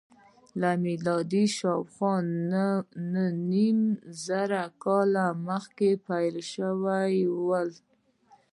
له میلاده شاوخوا نهه نیم زره کاله مخکې پیل شول.